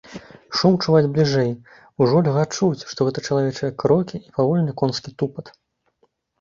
Шум чуваць бліжэй, ужо льга чуць, што гэта чалавечыя крокі і павольны конскі тупат.